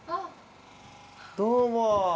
どうも。